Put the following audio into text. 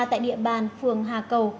tại địa bàn phường hà cầu